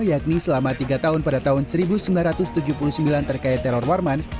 yakni selama tiga tahun pada tahun seribu sembilan ratus tujuh puluh sembilan terkait teror warman